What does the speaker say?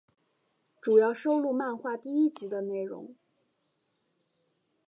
主要收录漫画第一集的内容。